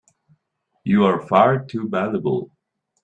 You're far too valuable!